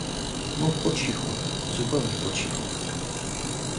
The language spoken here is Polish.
"Mów po cichu, zupełnie po cichu!"